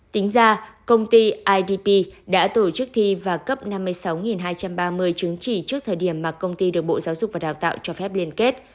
tính ra công ty idp đã tổ chức thi và cấp năm mươi sáu hai trăm ba mươi chứng chỉ trước thời điểm mà công ty được bộ giáo dục và đào tạo cho phép liên kết